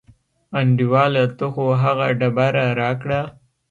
انډیواله ته خو هغه ډبره راکړه.